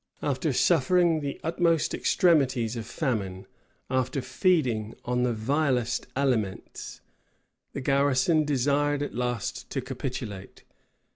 After suffering the utmost extremities of famine, after feeding on the vilest aliments, the garrison desired at last to capitulate.